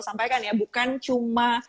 sampaikan ya bukan cuma